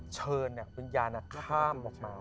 เชิญวิญญาณข้ามลงมา